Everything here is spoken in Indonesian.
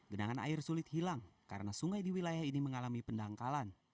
genangan air sulit hilang karena sungai di wilayah ini mengalami pendangkalan